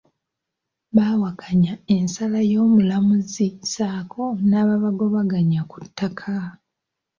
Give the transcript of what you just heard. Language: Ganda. Bawakanya ensala y'omulamuzi ssaako n'ababagobaganya ku ttaka